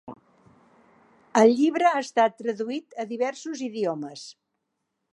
El llibre ha estat traduït a diversos idiomes.